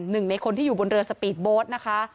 หนึ่งในคนที่อยู่บนเรือสปีดโบ๊ทนะคะ